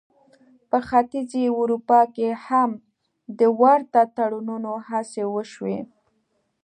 په ختیځې اروپا کې هم د ورته تړونونو هڅې وشوې.